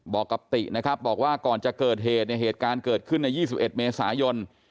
บอกกับตินะครับบอกว่าก่อนจะเกิดเหตุเนี่ยเหตุการณ์เกิดขึ้นใน๒๑เมษายน